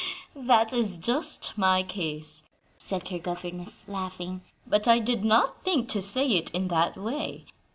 "That is just my case," said her governess, laughing, "but I did not think to say it in that way.